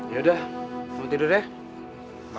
yaudah mau tidur ya